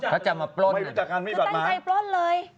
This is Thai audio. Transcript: ก็ตั้งใจปลดเลย